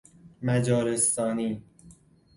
مجارستانی